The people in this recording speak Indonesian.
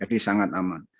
jadi sangat aman